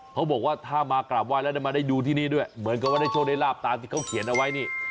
เขาบอกว่าถ้ามากราบไหว้แล้วได้มาได้ดูที่นี่ด้วยเหมือนกับว่าได้โชคได้ลาบตามที่เขาเขียนเอาไว้นี่